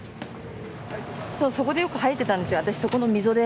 そう、そこでよく吐いてたんですよ、私、そこの溝で。